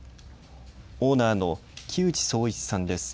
オーナーの木内壮一さんです。